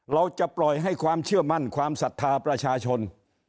เราจะปล่อยให้ความเชื่อมั่นความศรัทธาประชาชน